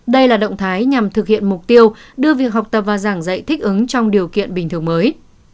đây là động thái nhằm thực hiện mục tiêu đưa việc học tập và giảng dạy thích ứng trong điều kiện bình thường mới